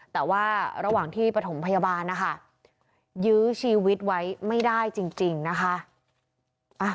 แต่ว่าระหว่างที่ปฐมพยาบาลนะคะยื้อชีวิตไว้ไม่ได้จริงนะคะ